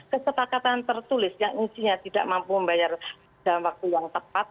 kesepakatan tertulis yang intinya tidak mampu membayar dalam waktu yang tepat